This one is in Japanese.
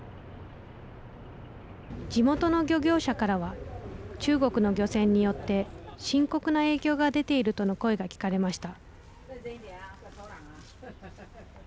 地元の漁業者からは中国の漁船によって深刻な影響が出ているとの声が聞かれました。